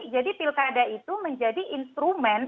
jadi pilkada itu menjadi instrumen